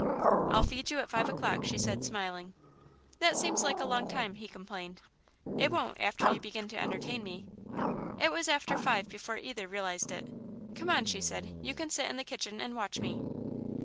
"I'll feed you at five o'clock," she said, smiling. "That seems like a long time," he complained. "It won't, after you begin to entertain me." It was after five before either realised it. "Come on," she said, "you can sit in the kitchen and watch me."